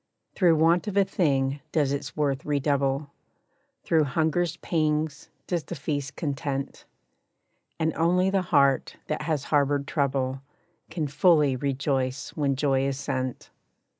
Through want of a thing does its worth redouble, Through hunger's pangs does the feast content, And only the heart that has harbored trouble, Can fully rejoice when joy is sent.